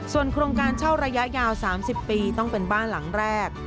ส่วนโครงการเช่าระยะยาว๓๐ปีต้องเป็นบ้านหลังแรก